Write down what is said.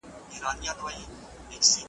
په تيرو وختونو کي د عدالت بيلګې شتون لري.